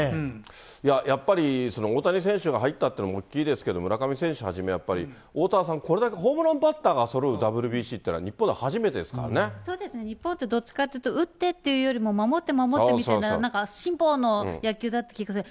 やっぱり大谷選手が入ったっていうのも大きいですけども、村上選手はじめ、おおたわさん、これだけホームランバッターがそろうＷＢＣは日本では初めてですそうですね、日本ってどっちかっていうと、打っていうよりも、守って守ってという、しんぽの野球だって気がする。